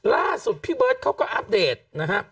ล่าสุดพี่เบิร์ตเขาก็อัปเดตนะฮะ